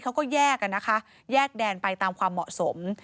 เขาก็แยกกันนะคะแยกแดนไปตามความเหมาะสม